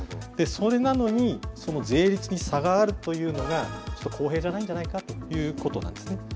それなのに税率に差があるというのが、公平じゃないんじゃないかということなんですね。